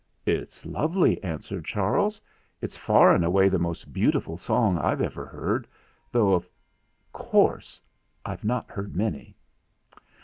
"It's lovely," answered Charles. "It's far and away the most beautiful song I've ever heard, though of course I've not heard many."